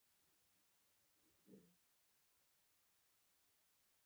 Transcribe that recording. ځان د ابدي رحمتونو مستحق ګرځول دي.